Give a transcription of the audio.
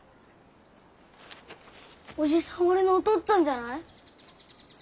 おじさん俺のおとっつぁんじゃない？